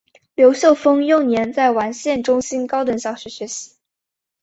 刘秀峰幼年在完县中心高等小学学习。